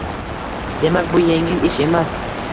Demak, bu yengil ish emas